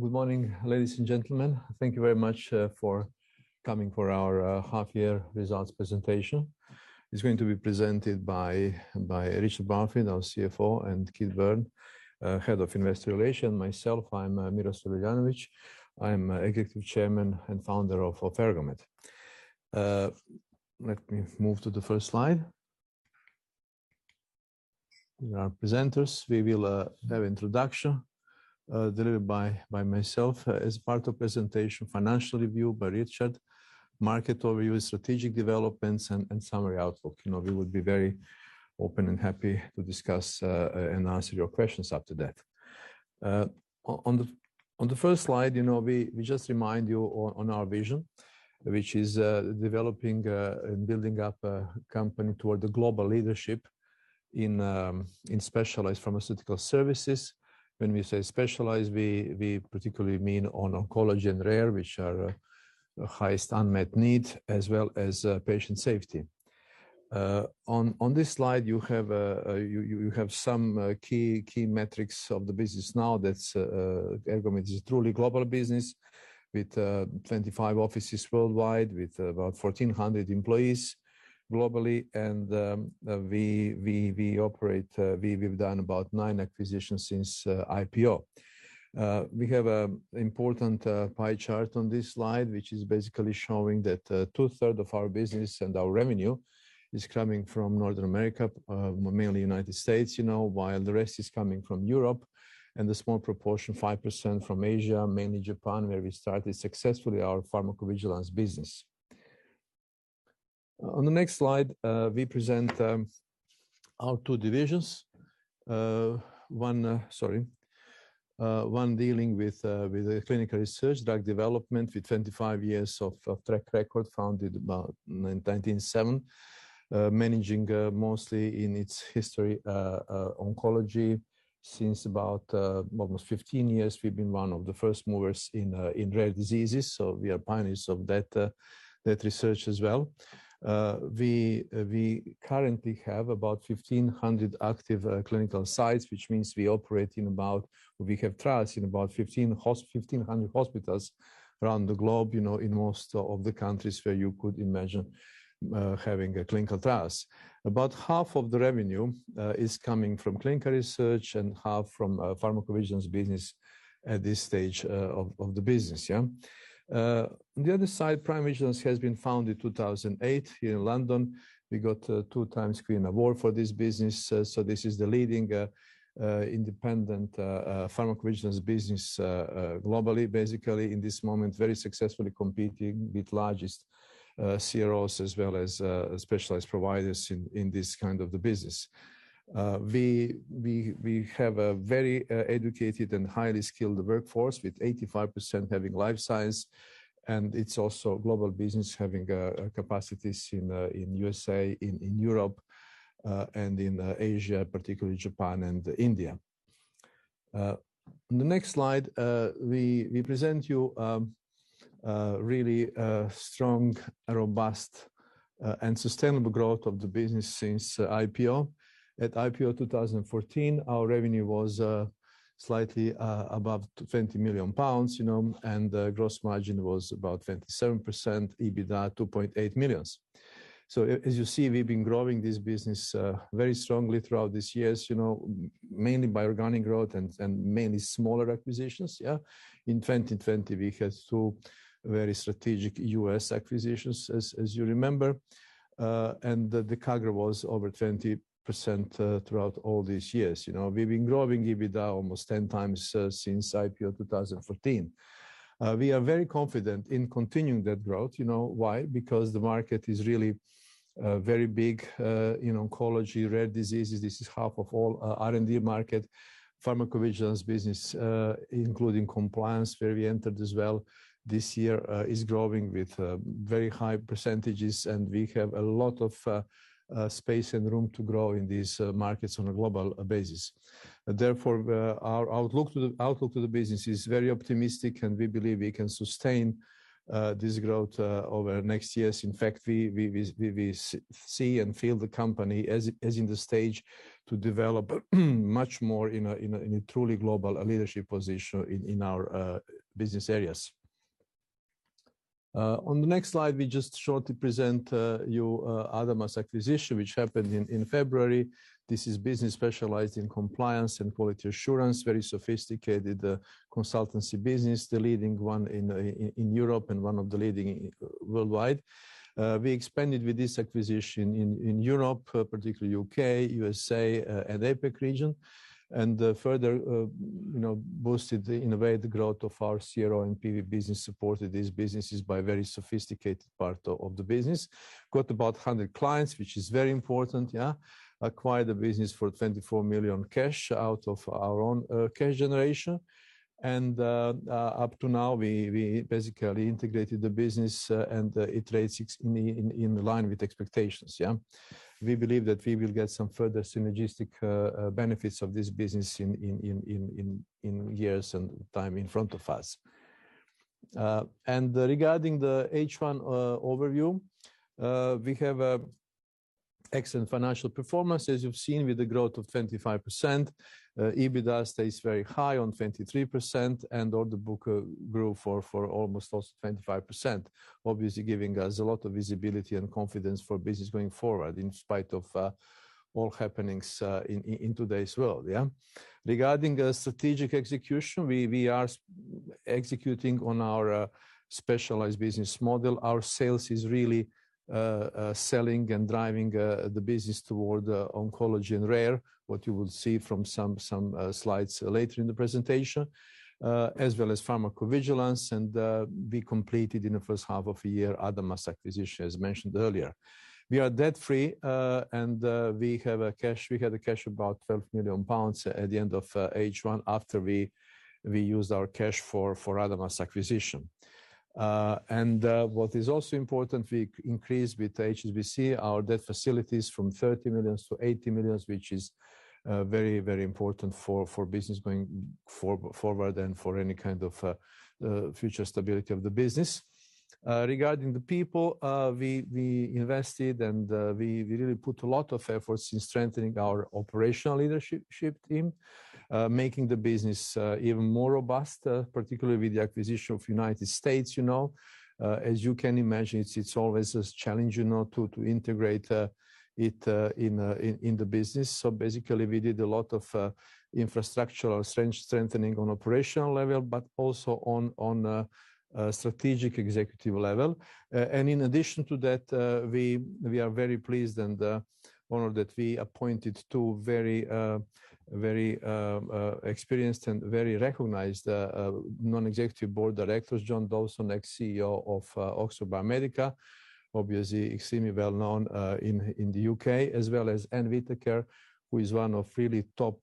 Good morning, ladies and gentlemen. Thank you very much for coming for our Half Year Results Presentation. It's going to be presented by Richard Barfield, our CFO, and Keith Byrne, Head of Investor Relations. Myself, I'm Miroslav Reljanović. I'm Executive Chairman and founder of Ergomed. Let me move to the first slide. Here are our presenters. We will have introduction delivered by myself, as part of presentation financial review by Richard, market overview, strategic developments and summary outlook. You know, we would be very open and happy to discuss and answer your questions after that. On the first slide, you know, we just remind you on our vision, which is developing and building up a company toward the global leadership in specialized pharmaceutical services. When we say specialized, we particularly mean on oncology and rare, which are highest unmet need as well as patient safety. On this slide, you have some key metrics of the business. Now that's Ergomed is a truly global business with 25 offices worldwide, with about 1,400 employees globally and we operate. We've done about nine acquisitions since IPO. We have important pie chart on this slide, which is basically showing that 2/3 of our business and our revenue is coming from North America, mainly United States, you know, while the rest is coming from Europe and the small proportion, 5% from Asia, mainly Japan, where we started successfully our pharmacovigilance business. On the next slide, we present our two divisions. One dealing with the clinical research, drug development with 25 years of track record, founded about 1997. Managing mostly in its history oncology. Since about almost 15 years, we've been one of the first movers in rare diseases, so we are pioneers of that research as well. We currently have about 1,500 active clinical sites, which means we have trials in about 1,500 hospitals around the globe, you know, in most of the countries where you could imagine having clinical trials. About half of the revenue is coming from clinical research and half from pharmacovigilance business at this stage of the business, yeah. On the other side, PrimeVigilance has been founded 2008 here in London. We got two times Queen's Award for this business. This is the leading independent pharmacovigilance business globally, basically, in this moment, very successfully competing with largest CROs as well as specialized providers in this kind of the business. We have a very educated and highly skilled workforce with 85% having life science, and it's also global business having capacities in U.S.A., in Europe, and in Asia, particularly Japan and India. On the next slide, we present you really strong, robust, and sustainable growth of the business since IPO. At IPO 2014, our revenue was slightly above 20 million pounds, you know, and the gross margin was about 27%, EBITDA 2.8 million. As you see, we've been growing this business very strongly throughout these years, you know, mainly by organic growth and mainly smaller acquisitions, yeah. In 2020, we had two very strategic U.S. acquisitions, as you remember, and the CAGR was over 20% throughout all these years. You know, we've been growing EBITDA almost 10x since IPO 2014. We are very confident in continuing that growth. You know why? Because the market is really very big in oncology, rare diseases. This is half of all R&D market. Pharmacovigilance business, including compliance, where we entered as well this year, is growing with very high percentages, and we have a lot of space and room to grow in these markets on a global basis. Therefore, our outlook to the business is very optimistic, and we believe we can sustain this growth over next years. In fact, we see and feel the company as in the stage to develop much more in a truly global leadership position in our business areas. On the next slide, we just shortly present you ADAMAS acquisition, which happened in February. This is business specialized in compliance and quality assurance, very sophisticated consultancy business, the leading one in Europe and one of the leading worldwide. We expanded with this acquisition in Europe, particularly U.K., U.S.A., and APAC region, and further, you know, boosted innovate the growth of our CRO and PV business, supported these businesses by very sophisticated part of the business. Got about 100 clients, which is very important, yeah. Acquired the business for 24 million cash out of our own cash generation. Up to now, we basically integrated the business, and it rates in line with expectations, yeah. We believe that we will get some further synergistic benefits of this business in years and time in front of us. Regarding the H1 overview, we have excellent financial performance, as you've seen, with the growth of 25%. EBITDA stays very high at 23%, and order book grew by almost 25%, obviously giving us a lot of visibility and confidence for business going forward in spite of all happenings in today's world. Regarding strategic execution, we are executing on our specialized business model. Our sales is really selling and driving the business toward oncology and rare, what you will see from some slides later in the presentation, as well as pharmacovigilance. We completed in the first half of the year ADAMAS acquisition, as mentioned earlier. We are debt-free, and we had cash about 12 million pounds at the end of H1 after we used our cash for ADAMAS acquisition. What is also important, we increased with HSBC our debt facilities from 30 million to 80 million, which is very, very important for business going forward and for any kind of future stability of the business. Regarding the people, we invested and we really put a lot of efforts in strengthening our operational leadership team, making the business even more robust, particularly with the acquisition in the United States, you know. As you can imagine, it's always challenging, you know, to integrate it in the business. Basically, we did a lot of infrastructure or strengthening on operational level, but also on a strategic executive level. In addition to that, we are very pleased and honored that we appointed two very experienced and very recognized non-executive board directors, John Dawson, ex-CEO of Oxford Biomedica, obviously extremely well-known in the U.K., as well as Anne Whitaker, who is one of really top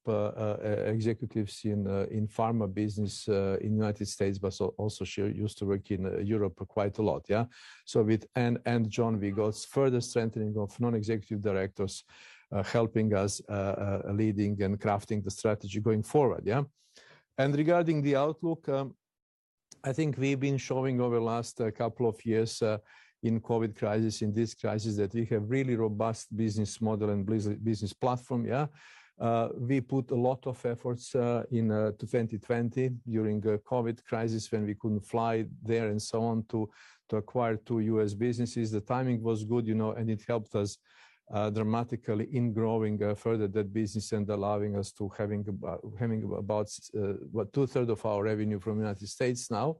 executives in pharma business in United States, but so also she used to work in Europe quite a lot, yeah? With Anne and John, we got further strengthening of non-executive directors helping us leading and crafting the strategy going forward, yeah? Regarding the outlook, I think we've been showing over the last couple of years in COVID crisis, in this crisis, that we have really robust business model and business platform, yeah? We put a lot of efforts in to 2020 during the COVID crisis when we couldn't fly there and so on to acquire two U.S. businesses. The timing was good, you know, and it helped us dramatically in growing further that business and allowing us to having about 2/3 of our revenue from United States now.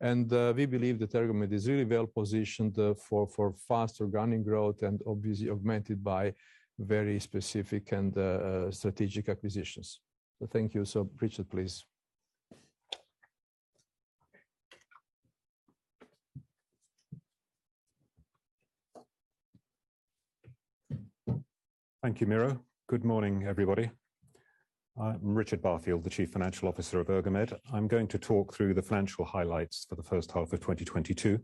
We believe that Ergomed is really well-positioned for faster organic growth and obviously augmented by very specific and strategic acquisitions. Thank you. Richard, please. Thank you, Miro. Good morning, everybody. I'm Richard Barfield, the Chief Financial Officer of Ergomed. I'm going to talk through the financial highlights for the first half of 2022.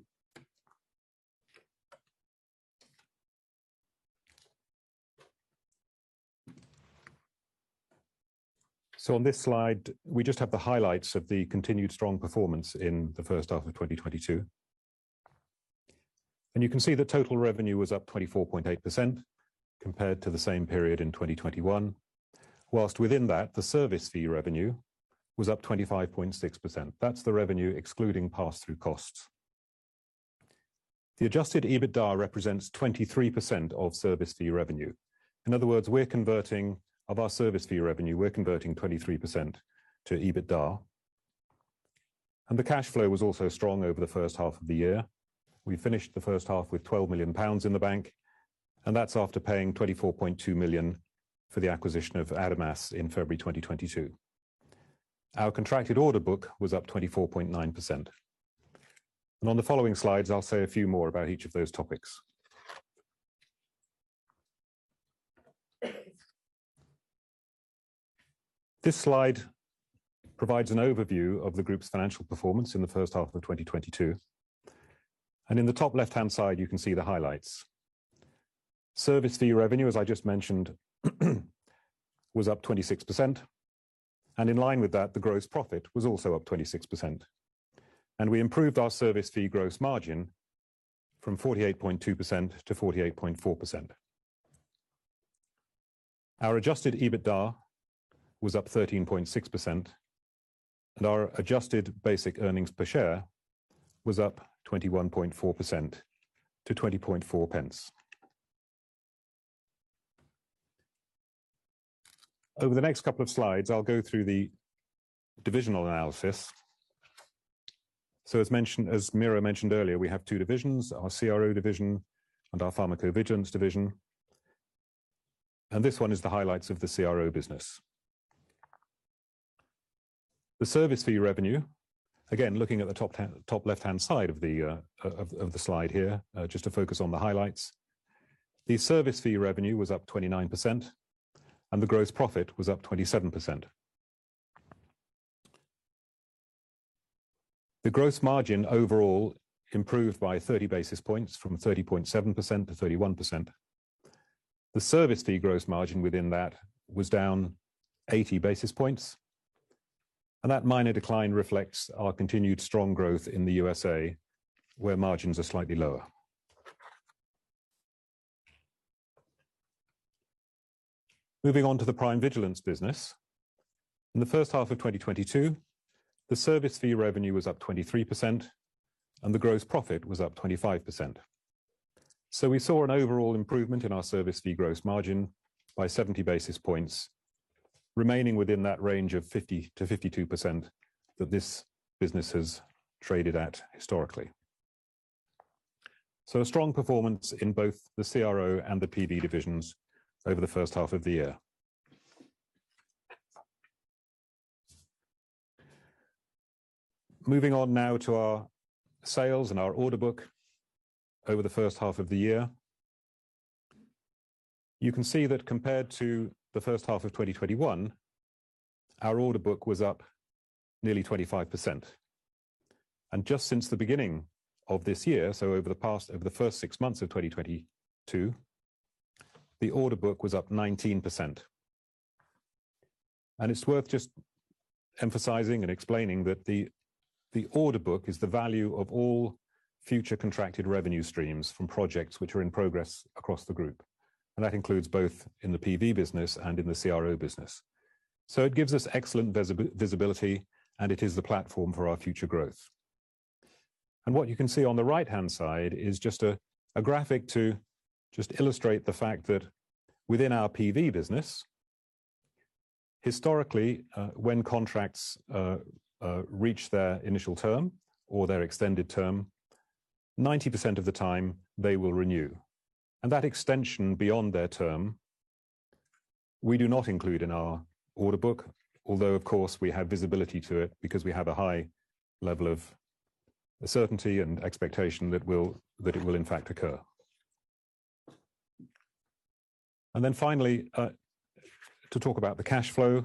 On this slide, we just have the highlights of the continued strong performance in the first half of 2022. You can see the total revenue was up 24.8% compared to the same period in 2021. While within that, the service fee revenue was up 25.6%. That's the revenue excluding pass-through costs. The adjusted EBITDA represents 23% of service fee revenue. In other words, we're converting of our service fee revenue, we're converting 23% to EBITDA. The cash flow was also strong over the first half of the year. We finished the first half with 12 million pounds in the bank, and that's after paying 24.2 million for the acquisition of ADAMAS in February 2022. Our contracted order book was up 24.9%. On the following slides, I'll say a few more about each of those topics. This slide provides an overview of the group's financial performance in the first half of 2022. In the top left-hand side, you can see the highlights. Service fee revenue, as I just mentioned, was up 26%. In line with that, the gross profit was also up 26%. We improved our service fee gross margin from 48.2% to 48.4%. Our adjusted EBITDA was up 13.6%, and our adjusted basic earnings per share was up 21.4% to 20.4 pence. Over the next couple of slides, I'll go through the divisional analysis. As Miro mentioned earlier, we have two divisions, our CRO division and our pharmacovigilance division. This one is the highlights of the CRO business. The service fee revenue, again, looking at the top left-hand side of the slide here, just to focus on the highlights. The service fee revenue was up 29%, and the gross profit was up 27%. The gross margin overall improved by 30 basis points from 30.7% to 31%. The service fee gross margin within that was down 80 basis points. That minor decline reflects our continued strong growth in the U.S.A., where margins are slightly lower. Moving on to the pharmacovigilance business. In the first half of 2022, the service fee revenue was up 23% and the gross profit was up 25%. We saw an overall improvement in our service fee gross margin by 70 basis points, remaining within that range of 50%-52% that this business has traded at historically. A strong performance in both the CRO and the PV divisions over the first half of the year. Moving on now to our sales and our order book over the first half of the year. You can see that compared to the first half of 2021, our order book was up nearly 25%. Just since the beginning of this year, over the first six months of 2022, the order book was up 19%. It's worth just emphasizing and explaining that the order book is the value of all future contracted revenue streams from projects which are in progress across the group. That includes both in the PV business and in the CRO business. It gives us excellent visibility, and it is the platform for our future growth. What you can see on the right-hand side is just a graphic to just illustrate the fact that within our PV business, historically, when contracts reach their initial term or their extended term, 90% of the time they will renew. That extension beyond their term, we do not include in our order book. Although, of course, we have visibility to it because we have a high level of certainty and expectation that it will in fact occur. Then finally, to talk about the cash flow.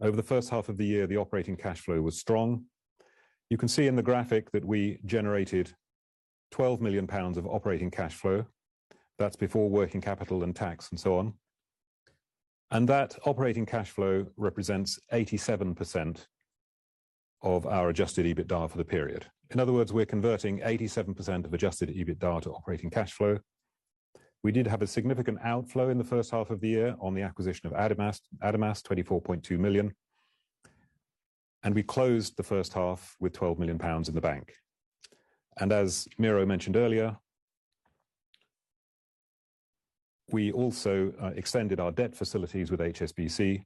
Over the first half of the year, the operating cash flow was strong. You can see in the graphic that we generated 12 million pounds of operating cash flow. That's before working capital and tax and so on. That operating cash flow represents 87% of our adjusted EBITDA for the period. In other words, we're converting 87% of adjusted EBITDA to operating cash flow. We did have a significant outflow in the first half of the year on the acquisition of ADAMAS, 24.2 million. We closed the first half with 12 million pounds in the bank. As Miro mentioned earlier, we also extended our debt facilities with HSBC.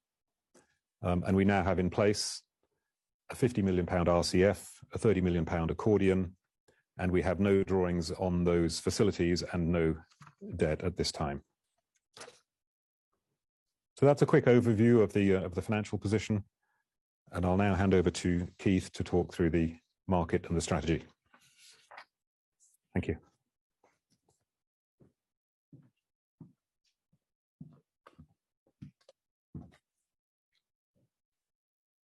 We now have in place a 50 million pound RCF, a 30 million pound accordion, and we have no drawings on those facilities and no debt at this time. That's a quick overview of the financial position, and I'll now hand over to Keith to talk through the market and the strategy. Thank you.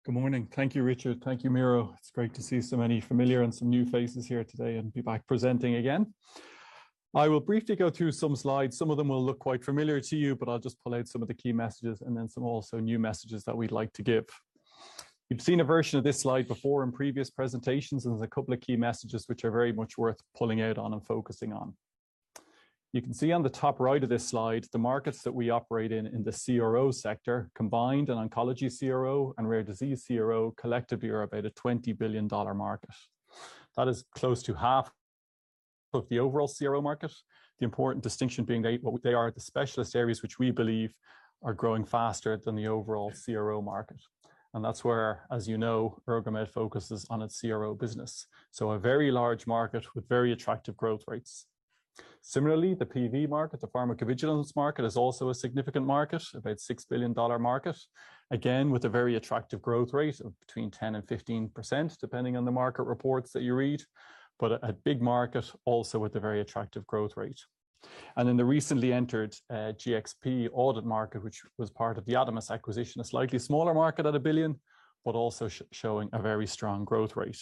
Good morning. Thank you, Richard. Thank you, Miro. It's great to see so many familiar and some new faces here today and be back presenting again. I will briefly go through some slides. Some of them will look quite familiar to you, but I'll just pull out some of the key messages and then some also new messages that we'd like to give. You've seen a version of this slide before in previous presentations, and there's a couple of key messages which are very much worth pulling out on and focusing on. You can see on the top right of this slide, the markets that we operate in the CRO sector, combined and oncology CRO and rare disease CRO collectively are about a $20 billion market. That is close to half of the overall CRO market. The important distinction being, well, they are the specialist areas which we believe are growing faster than the overall CRO market. That's where, as you know, Ergomed focuses on its CRO business. A very large market with very attractive growth rates. Similarly, the PV market, the pharmacovigilance market, is also a significant market, about a $6 billion market. Again, with a very attractive growth rate of between 10%-15%, depending on the market reports that you read. A big market also with a very attractive growth rate. In the recently entered GXP audit market, which was part of the ADAMAS acquisition, a slightly smaller market at $1 billion, but also showing a very strong growth rate.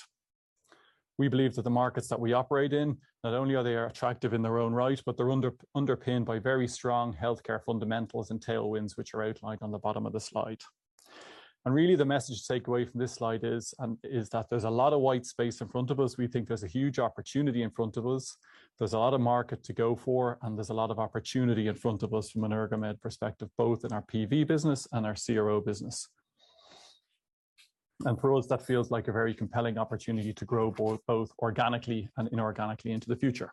We believe that the markets that we operate in, not only are they attractive in their own right, but they're underpinned by very strong healthcare fundamentals and tailwinds which are outlined on the bottom of the slide. Really the message to take away from this slide is that there's a lot of white space in front of us. We think there's a huge opportunity in front of us. There's a lot of market to go for, and there's a lot of opportunity in front of us from an Ergomed perspective, both in our PV business and our CRO business. For us, that feels like a very compelling opportunity to grow both organically and inorganically into the future.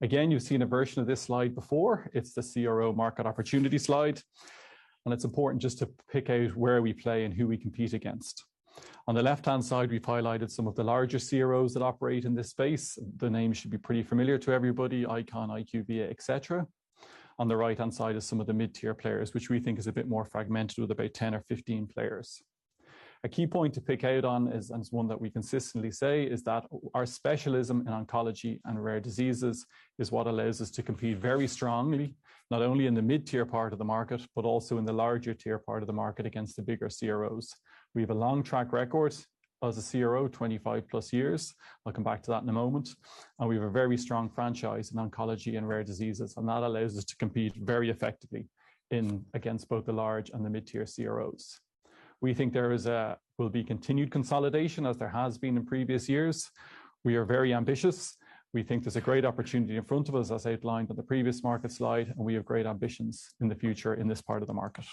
Again, you've seen a version of this slide before. It's the CRO market opportunity slide, and it's important just to pick out where we play and who we compete against. On the left-hand side, we've highlighted some of the larger CROs that operate in this space. The names should be pretty familiar to everybody, ICON, IQVIA, et cetera. On the right-hand side is some of the mid-tier players, which we think is a bit more fragmented with about 10 or 15 players. A key point to pick out on is, and it's one that we consistently say, is that our specialism in oncology and rare diseases is what allows us to compete very strongly, not only in the mid-tier part of the market, but also in the larger tier part of the market against the bigger CROs. We have a long track record as a CRO, 25+ years. I'll come back to that in a moment. We have a very strong franchise in oncology and rare diseases, and that allows us to compete very effectively against both the large and the mid-tier CROs. We think will be continued consolidation as there has been in previous years. We are very ambitious. We think there's a great opportunity in front of us, as outlined on the previous market slide, and we have great ambitions in the future in this part of the market.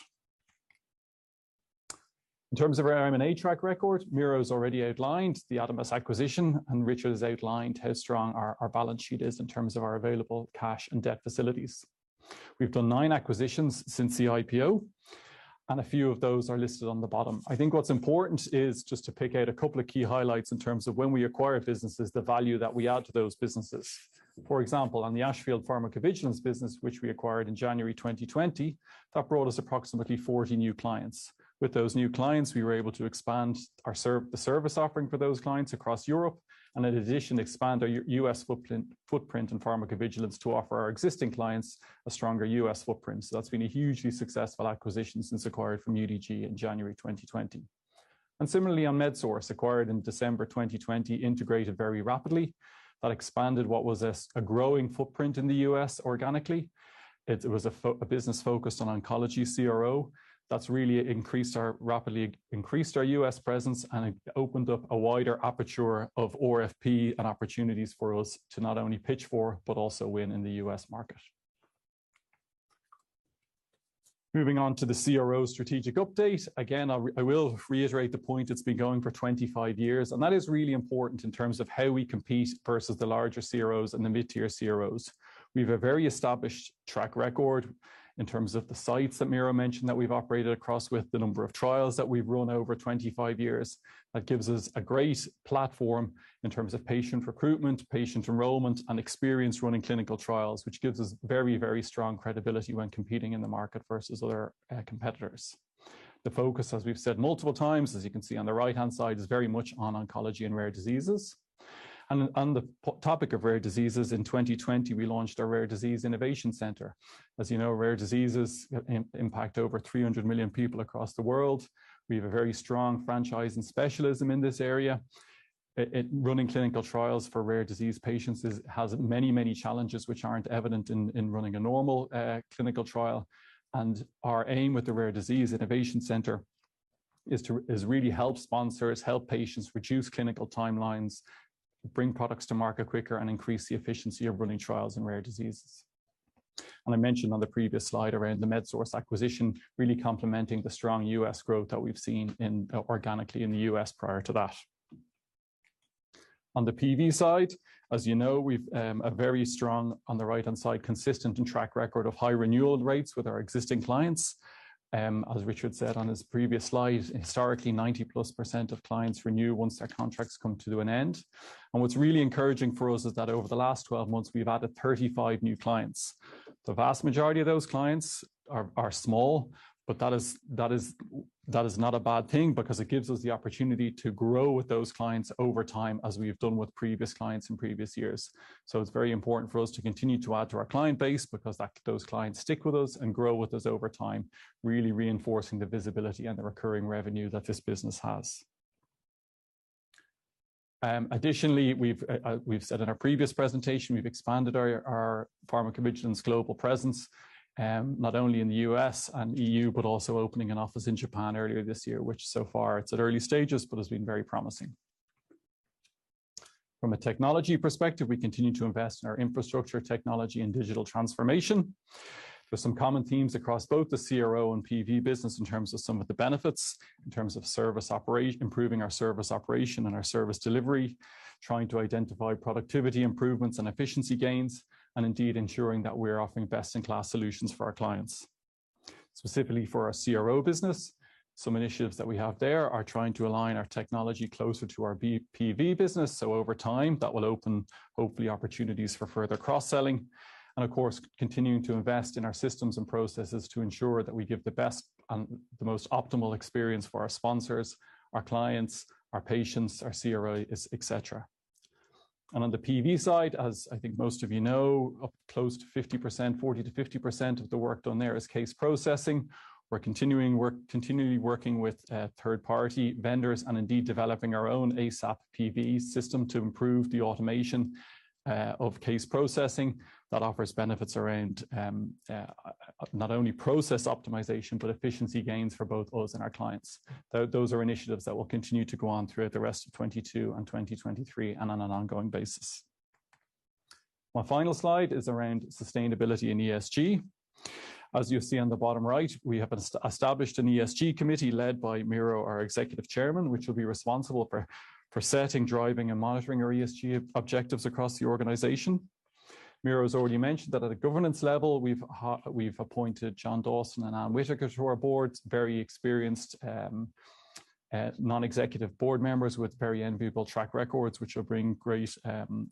In terms of our M&A track record, Miro has already outlined the ADAMAS acquisition, and Richard has outlined how strong our balance sheet is in terms of our available cash and debt facilities. We've done nine acquisitions since the IPO, and a few of those are listed on the bottom. I think what's important is just to pick out a couple of key highlights in terms of when we acquire businesses, the value that we add to those businesses. For example, on the Ashfield Pharmacovigilance business, which we acquired in January 2020, that brought us approximately 40 new clients. With those new clients, we were able to expand our the service offering for those clients across Europe, and in addition, expand our U.S. footprint in pharmacovigilance to offer our existing clients a stronger U.S. footprint. That's been a hugely successful acquisition since acquired from UDG in January 2020. Similarly on MedSource, acquired in December 2020, integrated very rapidly. That expanded what was a growing footprint in the US organically. It was a business focused on oncology CRO. That's really rapidly increased our U.S. presence and it opened up a wider aperture of RFP and opportunities for us to not only pitch for, but also win in the U.S. market. Moving on to the CRO strategic update. Again, I will reiterate the point it's been going for 25 years, and that is really important in terms of how we compete versus the larger CROs and the mid-tier CROs. We've a very established track record in terms of the sites that Miro mentioned that we've operated across with the number of trials that we've run over 25 years. That gives us a great platform in terms of patient recruitment, patient enrollment, and experience running clinical trials, which gives us very, very strong credibility when competing in the market versus other competitors. The focus, as we've said multiple times, as you can see on the right-hand side, is very much on oncology and rare diseases. On the topic of rare diseases, in 2020, we launched our Rare Disease Innovation Center. As you know, rare diseases impact over 300 million people across the world. We have a very strong franchise and specialism in this area. Running clinical trials for rare disease patients has many, many challenges which aren't evident in running a normal clinical trial. Our aim with the Rare Disease Innovation Center is really help sponsors, help patients reduce clinical timelines, bring products to market quicker, and increase the efficiency of running trials in rare diseases. I mentioned on the previous slide around the MedSource acquisition, really complementing the strong U.S. growth that we've seen in organically in the U.S. prior to that. On the PV side, as you know, we've a very strong, on the right-hand side, consistent and track record of high renewal rates with our existing clients. As Richard said on his previous slide, historically, 90%+ of clients renew once their contracts come to an end. What's really encouraging for us is that over the last12 months, we've added 35 new clients. The vast majority of those clients are small, but that is not a bad thing because it gives us the opportunity to grow with those clients over time as we've done with previous clients in previous years. It's very important for us to continue to add to our client base because that, those clients stick with us and grow with us over time, really reinforcing the visibility and the recurring revenue that this business has. Additionally, we've said in our previous presentation, we've expanded our pharmacovigilance global presence, not only in the U.S. and E.U., but also opening an office in Japan earlier this year, which so far it's at early stages, but it's been very promising. From a technology perspective, we continue to invest in our infrastructure, technology, and digital transformation. There's some common themes across both the CRO and PV business in terms of some of the benefits, in terms of improving our service operation and our service delivery, trying to identify productivity improvements and efficiency gains, and indeed ensuring that we're offering best-in-class solutions for our clients. Specifically for our CRO business, some initiatives that we have there are trying to align our technology closer to our PV business, so over time that will open hopefully opportunities for further cross-selling. Of course, continuing to invest in our systems and processes to ensure that we give the best and the most optimal experience for our sponsors, our clients, our patients, our CROs, et cetera. On the PV side, as I think most of you know, up close to 50%, 40%-50% of the work done there is case processing. We're continually working with third-party vendors and indeed developing our own ASaPPV system to improve the automation of case processing. That offers benefits around not only process optimization, but efficiency gains for both us and our clients. Those are initiatives that will continue to go on throughout the rest of 2022 and 2023 and on an ongoing basis. My final slide is around sustainability and ESG. As you see on the bottom right, we have established an ESG committee led by Miro, our executive chairman, which will be responsible for setting, driving, and monitoring our ESG objectives across the organization. Miro has already mentioned that at a governance level, we've appointed John Dawson and Anne Whitaker to our boards, very experienced non-executive board members with very enviable track records, which will bring great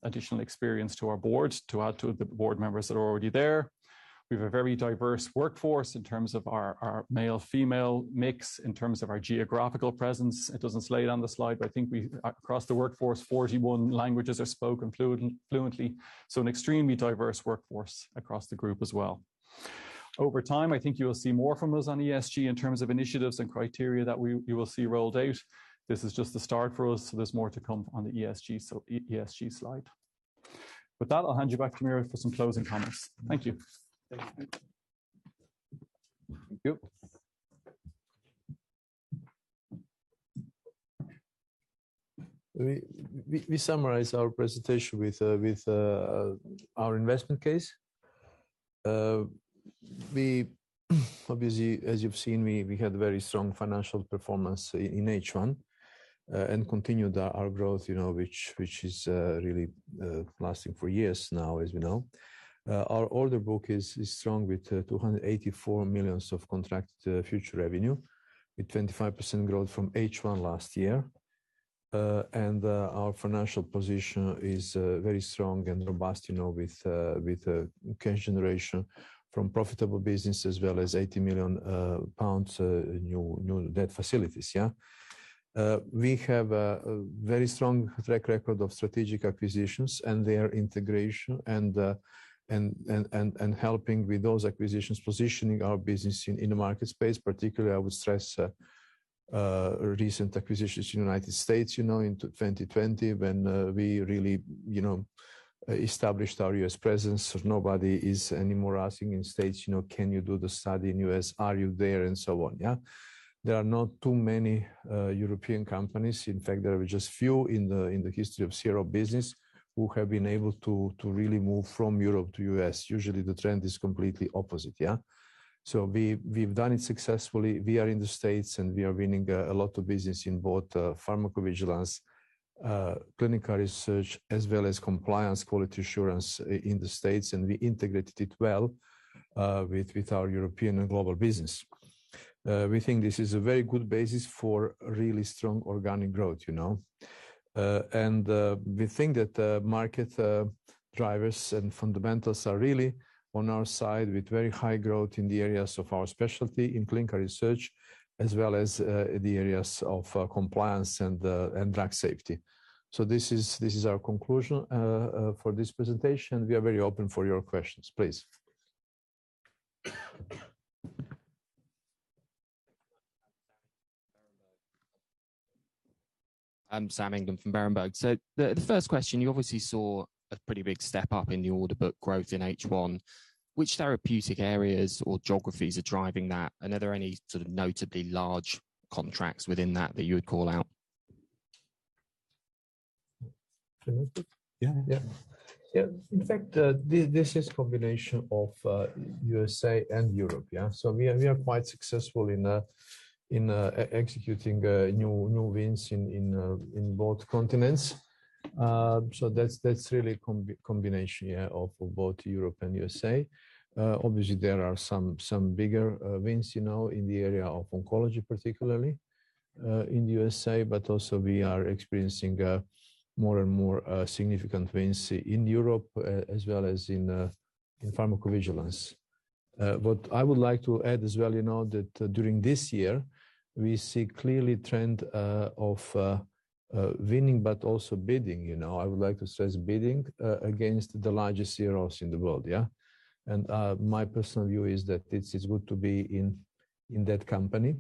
additional experience to our boards to add to the board members that are already there. We've a very diverse workforce in terms of our male-female mix, in terms of our geographical presence. It doesn't say it on the slide, but I think across the workforce, 41 languages are spoken fluently, so an extremely diverse workforce across the group as well. Over time, I think you will see more from us on ESG in terms of initiatives and criteria that you will see rolled out. This is just the start for us, so there's more to come on the ESG slide. With that, I'll hand you back to Miro for some closing comments. Thank you. Thank you. We summarize our presentation with our investment case. Obviously, as you've seen, we had very strong financial performance in H1 and continued our growth, you know, which is really lasting for years now, as we know. Our order book is strong with 284 million of contracted future revenue with 25% growth from H1 last year. Our financial position is very strong and robust, you know, with cash generation from profitable business as well as 80 million pounds in new debt facilities. We have a very strong track record of strategic acquisitions and their integration and helping with those acquisitions, positioning our business in the market space. Particularly, I would stress recent acquisitions in the United States, you know, into 2020 when we really, you know, established our U.S. presence. Nobody is anymore asking in the States, you know, "Can you do the study in U.S.? Are you there?" and so on, yeah? There are not too many European companies. In fact, there are just few in the history of CRO business who have been able to really move from Europe to U.S. Usually, the trend is completely opposite, yeah? We've done it successfully. We are in the States, and we are winning a lot of business in both pharmacovigilance, clinical research, as well as compliance quality assurance in the States, and we integrated it well with our European and global business. We think this is a very good basis for really strong organic growth, you know? We think that market drivers and fundamentals are really on our side with very high growth in the areas of our specialty in clinical research as well as the areas of compliance and drug safety. This is our conclusion for this presentation. We are very open for your questions. Please. I'm Sam England from Berenberg. The first question, you obviously saw a pretty big step up in the order book growth in H1. Which therapeutic areas or geographies are driving that? Are there any sort of notably large contracts within that that you would call out? Can I take? Yeah. In fact, this is combination of USA and Europe. We are quite successful in executing new wins in both continents. That's really combination of both Europe and USA. Obviously there are some bigger wins, you know, in the area of oncology, particularly in the USA. Also we are experiencing more and more significant wins in Europe as well as in pharmacovigilance. What I would like to add as well, you know, that during this year we see clearly trend of winning but also bidding, you know. I would like to stress bidding against the largest CROs in the world. My personal view is that it's good to be in that company.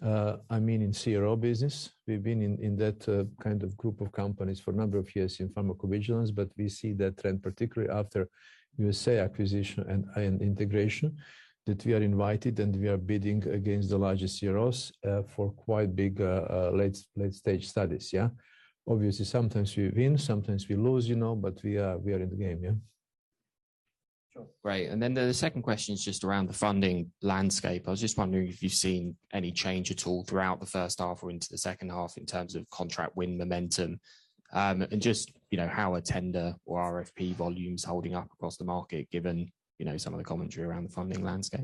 I mean in CRO business. We've been in that kind of group of companies for a number of years in pharmacovigilance. We see that trend, particularly after U.S.A. acquisition and integration, that we are invited and we are bidding against the largest CROs for quite big late-stage studies, yeah? Obviously, sometimes we win, sometimes we lose, you know, but we are in the game, yeah? Great. The second question is just around the funding landscape. I was just wondering if you've seen any change at all throughout the first half or into the second half in terms of contract win momentum. Just, you know, how a tender or RFP volume's holding up across the market given, you know, some of the commentary around the funding landscape?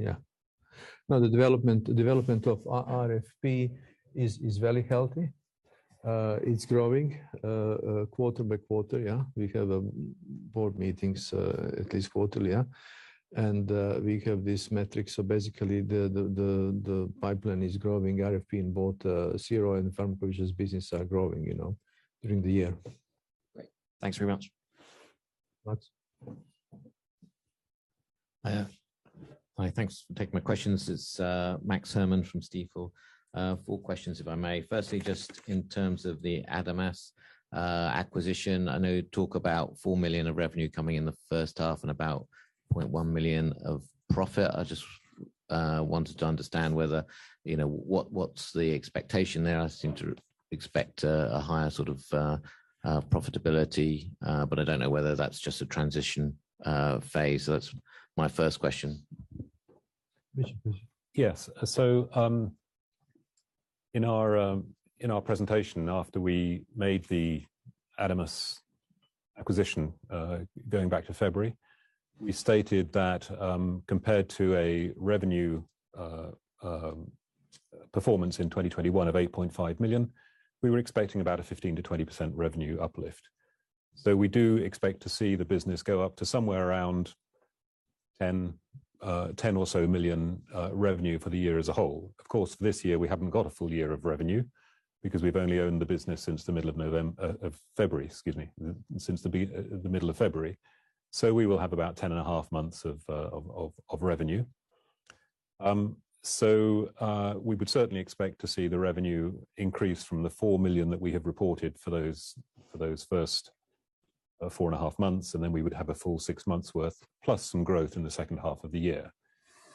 No, the development of RFP is very healthy. It's growing quarter by quarter, yeah? We have board meetings at least quarterly, yeah? We have this metric. Basically the pipeline is growing. RFP in both CRO and pharmacovigilance business are growing, you know, during the year. Great. Thanks very much. Max. Hi, thanks for taking my questions. It's Max Herrmann from Stifel. Four questions if I may. Firstly, just in terms of the ADAMAS acquisition. I know you talk about 4 million of revenue coming in the first half and about 0.1 million of profit. I just wanted to understand whether, you know, what's the expectation there. I seem to expect a higher sort of profitability, but I don't know whether that's just a transition phase? That's my first question. Richard, please. Yes. In our presentation, after we made the ADAMAS acquisition, going back to February, we stated that, compared to a revenue performance in 2021 of 8.5 million, we were expecting about a 15%-20% revenue uplift. We do expect to see the business go up to somewhere around 10 million revenue for the year as a whole. Of course, for this year, we haven't got a full year of revenue because we've only owned the business since the middle of February, excuse me. Since the middle of February. We will have about 10 and a half months of revenue. We would certainly expect to see the revenue increase from the 4 million that we have reported for those first four and a half months, and then we would have a full six months worth, plus some growth in the second half of the year.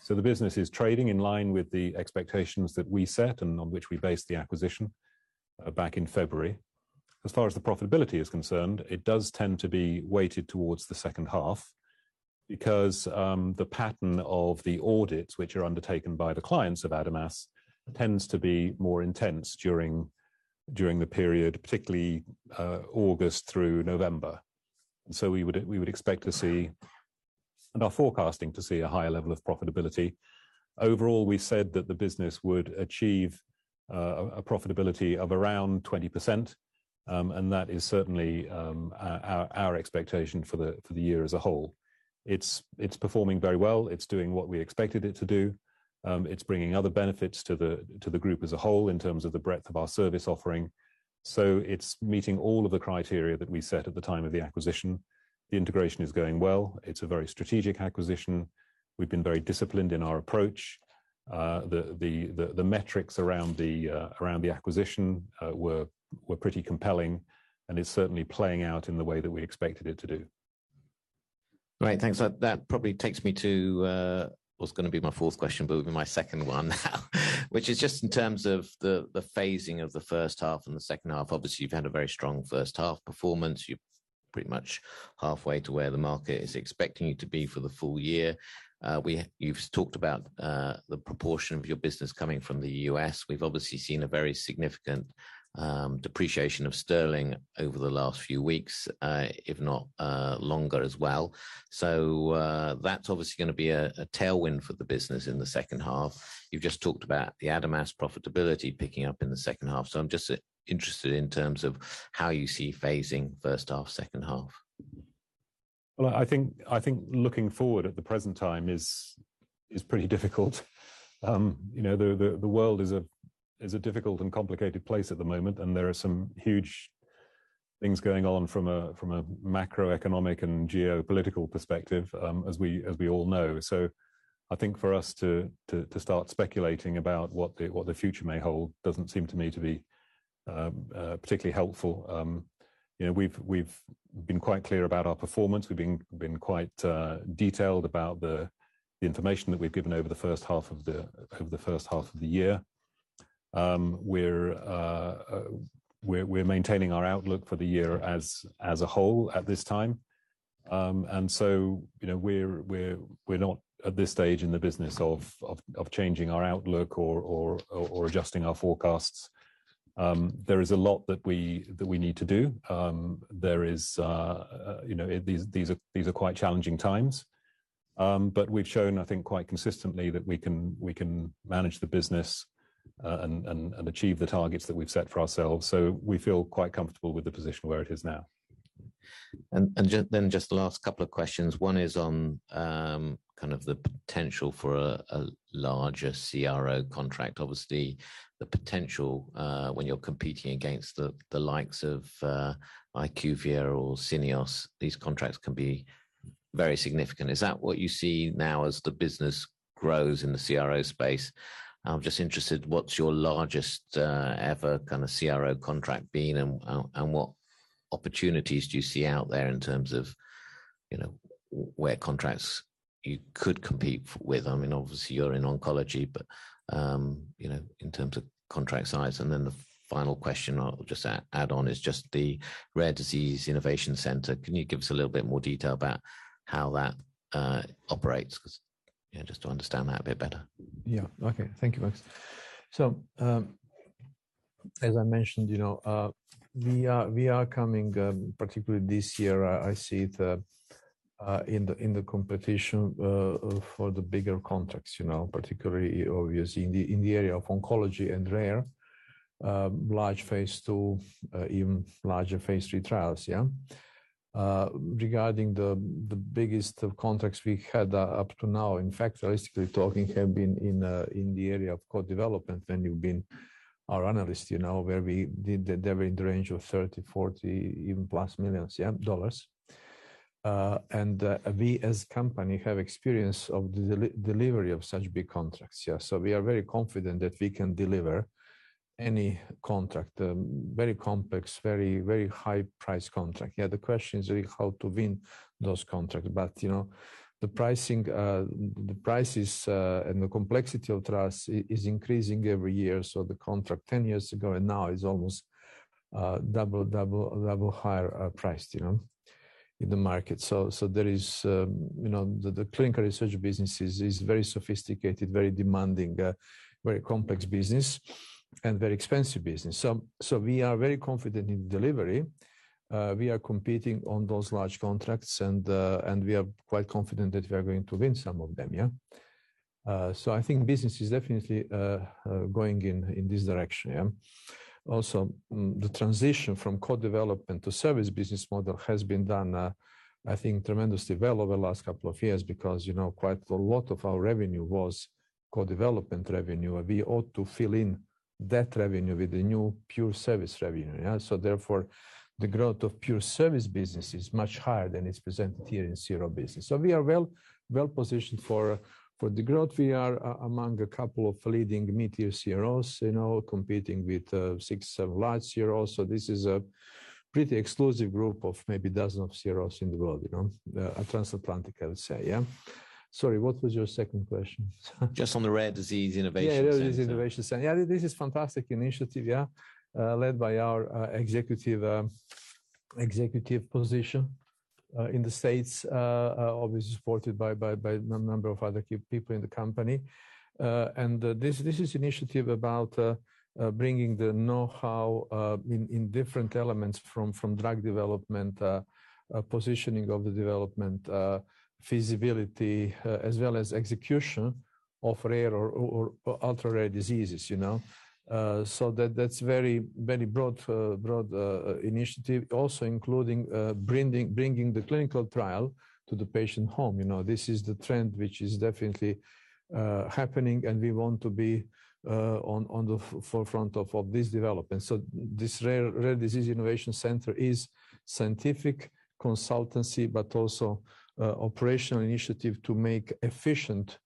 The business is trading in line with the expectations that we set and on which we based the acquisition back in February. As far as the profitability is concerned, it does tend to be weighted towards the second half because the pattern of the audits which are undertaken by the clients of ADAMAS tends to be more intense during the period, particularly August through November. We would expect to see and are forecasting to see a higher level of profitability. Overall, we said that the business would achieve a profitability of around 20%, and that is certainly our expectation for the year as a whole. It's performing very well. It's doing what we expected it to do. It's bringing other benefits to the group as a whole in terms of the breadth of our service offering. It's meeting all of the criteria that we set at the time of the acquisition. The integration is going well. It's a very strategic acquisition. We've been very disciplined in our approach. The metrics around the acquisition were pretty compelling and is certainly playing out in the way that we expected it to do. Right. Thanks. That probably takes me to what was gonna be my fourth question, but it will be my second one now. Which is just in terms of the phasing of the first half and the second half. Obviously, you've had a very strong first half performance. You're pretty much halfway to where the market is expecting you to be for the full year. You've talked about the proportion of your business coming from the US. We've obviously seen a very significant depreciation of sterling over the last few weeks, if not longer as well. So that's obviously gonna be a tailwind for the business in the second half. You've just talked about the ADAMAS profitability picking up in the second half, so I'm just interested in terms of how you see phasing first half, second half? Well, I think looking forward at the present time is pretty difficult. You know, the world is a difficult and complicated place at the moment, and there are some huge things going on from a macroeconomic and geopolitical perspective, as we all know. I think for us to start speculating about what the future may hold doesn't seem to me to be particularly helpful. You know, we've been quite clear about our performance. We've been quite detailed about the information that we've given over the first half of the year. We're maintaining our outlook for the year as a whole at this time. You know, we're not at this stage in the business of changing our outlook or adjusting our forecasts. There is a lot that we need to do. There is, you know, these are quite challenging times. We've shown, I think, quite consistently that we can manage the business and achieve the targets that we've set for ourselves. We feel quite comfortable with the position where it is now. Just the last couple of questions. One is on kind of the potential for a larger CRO contract. Obviously, the potential when you're competing against the likes of IQVIA or Syneos, these contracts can be very significant. Is that what you see now as the business grows in the CRO space? I'm just interested, what's your largest ever kind of CRO contract been and what opportunities do you see out there in terms of, you know, where contracts you could compete with? I mean, obviously you're in oncology, but you know, in terms of contract size. Then the final question I'll just add on is just the Rare Disease Innovation Center. Can you give us a little bit more detail about how that operates 'cause, you know, just to understand that a bit better. Yeah. Okay. Thank you, Max. As I mentioned, you know, we are coming, particularly this year. I see the competition for the bigger contracts, you know, particularly obviously in the area of oncology and rare large phase two, even larger phase three trials, yeah. Regarding the biggest contracts we had up to now, in fact, realistically talking have been in the area of co-development, and you've been our analyst, you know, where we did the range of $30 million-$40 million, even plus millions, yeah, dollars. We as a company have experience of the delivery of such big contracts, yeah. We are very confident that we can deliver any contract, very complex, very high price contract. Yeah, the question is really how to win those contracts, but, you know, the pricing, the prices, and the complexity of trials is increasing every year. The contract 10 years ago and now is almost double higher priced, you know, in the market. There is, you know, the clinical research business is very sophisticated, very demanding, very complex business and very expensive business. We are very confident in delivery. We are competing on those large contracts and we are quite confident that we are going to win some of them, yeah. I think business is definitely going in this direction, yeah. Also, the transition from co-development to service business model has been done, I think tremendously well over the last couple of years because, you know, quite a lot of our revenue was co-development revenue, and we ought to fill in that revenue with the new pure service revenue, yeah. Therefore, the growth of pure service business is much higher than it's presented here in CRO business. We are well-positioned for the growth. We are among a couple of leading medium CROs, you know, competing with six, seven large CROs. This is a pretty exclusive group of maybe dozen of CROs in the world, you know, transatlantic, I would say, yeah. Sorry, what was your second question? Just on the Rare Disease Innovation Center. Rare Disease Innovation Center™. This is fantastic initiative, led by our executive position in the States, obviously supported by a number of other key people in the company. This is initiative about bringing the know-how in different elements from drug development, positioning of the development, feasibility, as well as execution of rare or ultra-rare diseases, you know. That's very broad initiative also including bringing the clinical trial to the patient home. You know, this is the trend which is definitely happening, and we want to be on the forefront of this development. This Rare Disease Innovation Center™ is scientific consultancy but also operational initiative to make efficient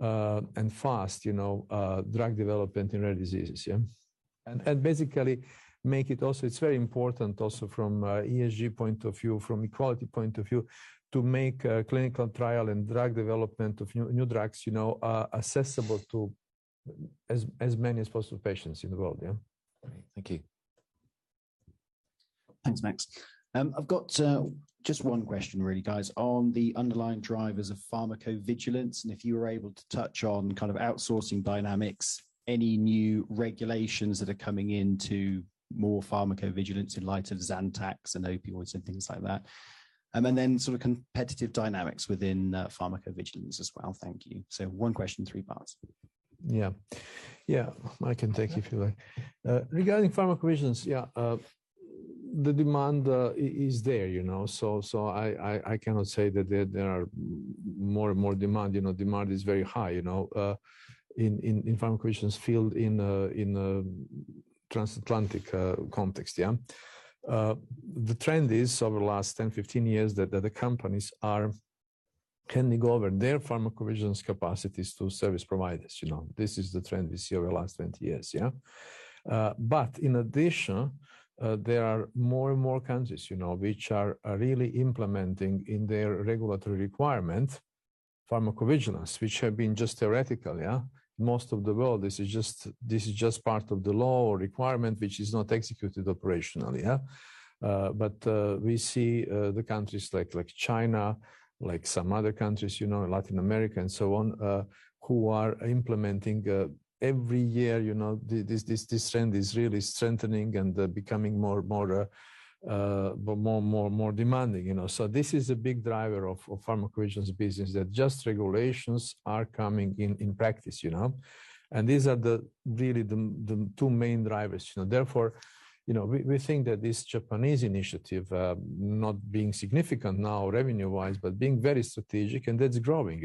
and fast, you know, drug development in rare diseases, yeah. Basically make it also. It's very important also from ESG point of view, from equality point of view, to make clinical trial and drug development of new drugs, you know, accessible to as many as possible patients in the world, yeah. All right. Thank you. Thanks, Max. I've got just one question really, guys. On the underlying drivers of pharmacovigilance, and if you were able to touch on kind of outsourcing dynamics, any new regulations that are coming in to more pharmacovigilance in light of Zantac and opioids and things like that. And then sort of competitive dynamics within pharmacovigilance as well. Thank you. So one question, three parts. I can take if you like. Regarding pharmacovigilance, the demand is there, you know. I cannot say that there are more and more demand. You know, demand is very high, you know, in pharmacovigilance field in transatlantic context. The trend is over the last 10, 15 years that the companies are handing over their pharmacovigilance capacities to service providers, you know. This is the trend we see over the last 20 years. In addition, there are more and more countries, you know, which are really implementing in their regulatory requirement pharmacovigilance, which have been just theoretical. Most of the world, this is just part of the law or requirement which is not executed operationally. We see the countries like China, like some other countries, you know, Latin America and so on, who are implementing every year, you know. This trend is really strengthening and becoming more demanding, you know. This is a big driver of pharmacovigilance business, that just regulations are coming in practice, you know. These are really the two main drivers, you know. Therefore, we think that this Japanese initiative, not being significant now revenue-wise, but being very strategic, and that's growing,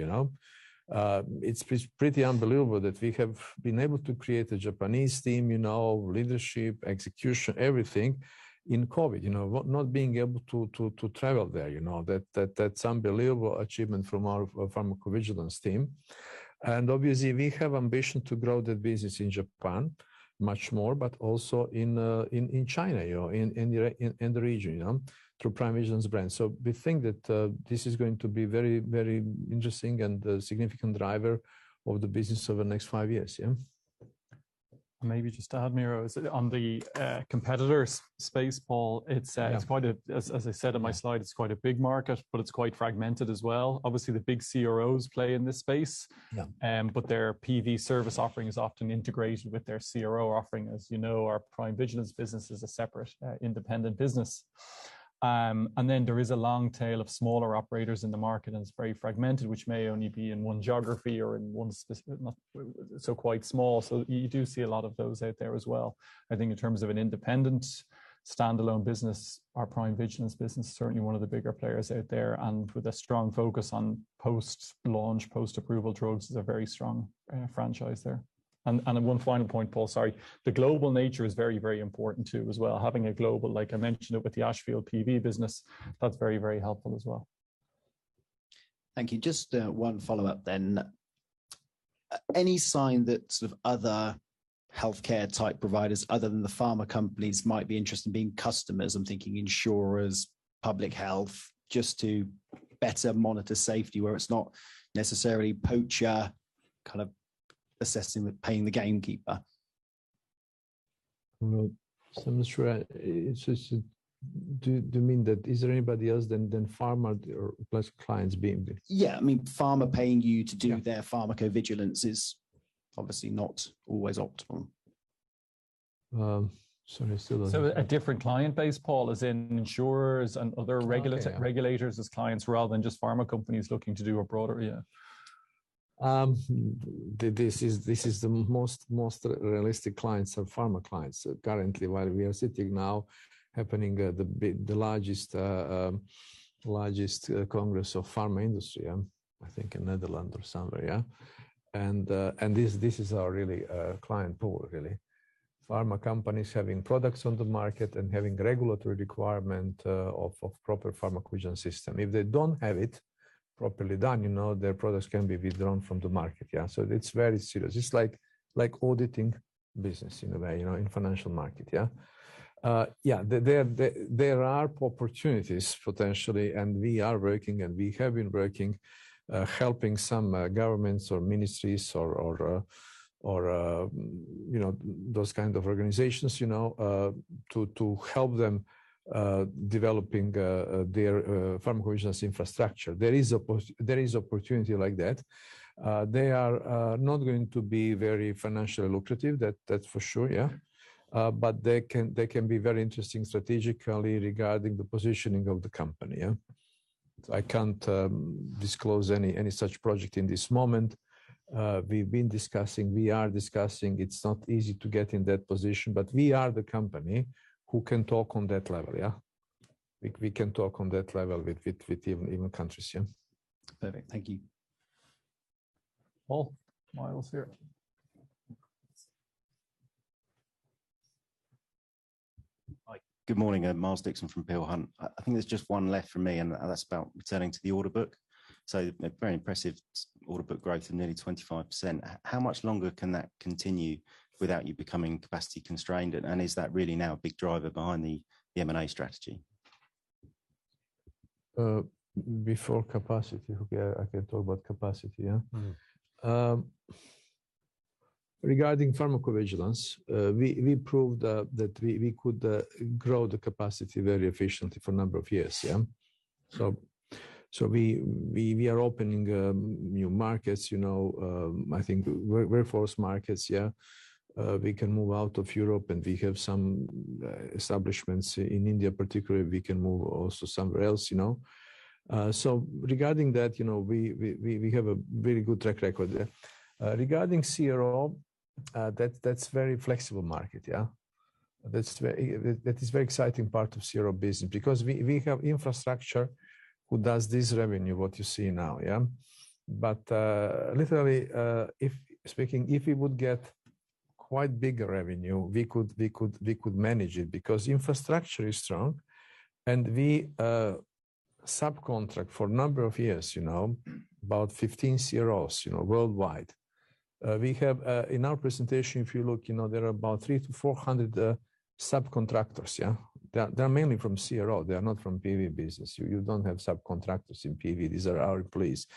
you know. It's pretty unbelievable that we have been able to create a Japanese team, you know, leadership, execution, everything in COVID, not being able to travel there, you know. That's unbelievable achievement from our pharmacovigilance team. Obviously, we have ambition to grow the business in Japan much more, but also in China, you know, in the region, you know, through PrimeVigilance brand. We think that this is going to be very, very interesting and a significant driver of the business over the next five years, yeah. Maybe just to add, Miro is on the competitors space, Paul. It's Yeah. As I said in my slide, it's quite a big market, but it's quite fragmented as well. Obviously, the big CROs play in this space. Yeah. Their PV service offering is often integrated with their CRO offering. As you know, our PrimeVigilance business is a separate, independent business. There is a long tail of smaller operators in the market, and it's very fragmented, which may only be in one geography or in one specific. Quite small. You do see a lot of those out there as well. I think in terms of an independent standalone business, our PrimeVigilance business is certainly one of the bigger players out there, and with a strong focus on post-launch, post-approval drugs, is a very strong franchise there. One final point, Paul, sorry. The global nature is very, very important too as well. Having a global, like I mentioned it with the Ashfield PV business, that's very, very helpful as well. Thank you. Just one follow-up then. Any sign that sort of other healthcare type providers other than the pharma companies might be interested in being customers? I'm thinking insurers, public health, just to better monitor safety where it's not necessarily poacher kind of assessing with paying the gamekeeper? Do you mean that is there anybody else than pharma or plus clients being the- Yeah. I mean, pharma paying you to do. Yeah. Their pharmacovigilance is obviously not always optimal. Sorry, I still don't get- A different client base, Paul, as in insurers and other regulators as clients rather than just pharma companies looking to do a broader, yeah. This is the most realistic clients are pharma clients. Currently, while we are sitting now happening, the largest congress of pharma industry. I think in Netherlands or somewhere. This is our really client pool really. Pharma companies having products on the market and having regulatory requirement of proper pharmacovigilance system. If they don't have it properly done, you know, their products can be withdrawn from the market. It's very serious. It's like auditing business in a way, you know, in financial market. There are opportunities potentially, and we are working and we have been working, helping some governments or ministries or, you know, those kind of organizations, you know, to help them developing their pharmacovigilance infrastructure. There is opportunity like that. They are not going to be very financially lucrative, that's for sure, yeah. But they can be very interesting strategically regarding the positioning of the company, yeah. I can't disclose any such project in this moment. We've been discussing, we are discussing. It's not easy to get in that position, but we are the company who can talk on that level, yeah. We can talk on that level with even countries, yeah. Perfect. Thank you Hi. Good morning. I am Miles Dixon from Peel Hunt. I think there's just one left for me, and that's about returning to the order book. A very impressive order book growth of nearly 25%. How much longer can that continue without you becoming capacity constrained? And is that really now a big driver behind the M&A strategy? Okay, I can talk about capacity, yeah. Mm-hmm. Regarding pharmacovigilance, we proved that we could grow the capacity very efficiently for a number of years, yeah. Mm-hmm. We are opening new markets, you know. I think we're in four markets, yeah. We can move out of Europe, and we have some establishments in India particularly. We can move also somewhere else, you know. Regarding that, you know, we have a very good track record, yeah. Regarding CRO, that's very flexible market, yeah. That is very exciting part of CRO business because we have infrastructure who does this revenue, what you see now, yeah. Literally, if speaking, if we would get quite bigger revenue, we could manage it because infrastructure is strong and we subcontract for a number of years, you know, about 15 CROs, you know, worldwide. We have, in our presentation, if you look, you know, there are about 300-400 subcontractors. They're mainly from CRO. They are not from PV business. You don't have subcontractors in PV. These are our employees.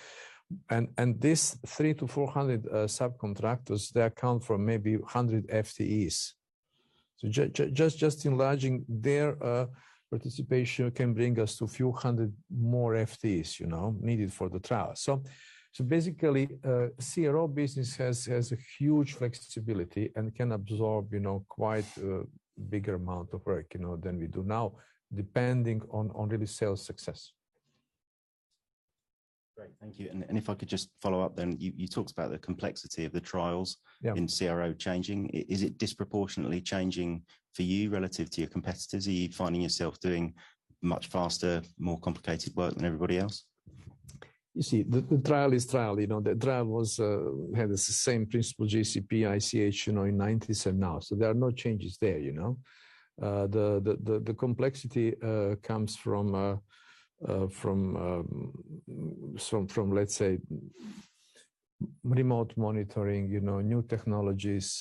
These 300-400 subcontractors, they account for maybe 100 FTEs. Just enlarging their participation can bring us to a few hundred more FTEs, you know, needed for the trial. Basically, CRO business has a huge flexibility and can absorb, you know, quite a bigger amount of work, you know, than we do now, depending on really sales success. Great. Thank you. If I could just follow up then. You talked about the complexity of the trials. Yeah. Is it disproportionately changing for you relative to your competitors? Are you finding yourself doing much faster, more complicated work than everybody else? You see, the trial is a trial, you know. The trial has the same principle GCP, ICH, you know, in nineties and now. There are no changes there, you know. The complexity comes from some, let's say, remote monitoring, you know, new technologies,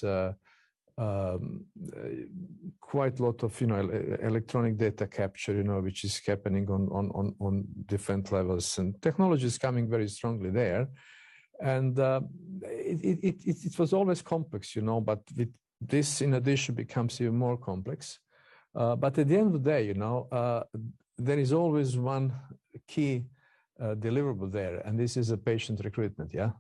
quite a lot of electronic data capture, you know, which is happening on different levels. Technology is coming very strongly there. It was always complex, you know. With this in addition becomes even more complex. At the end of the day, you know, there is always one key deliverable there, and this is a patient recruitment, yeah.